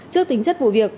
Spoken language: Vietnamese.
trước tính chất vụ việc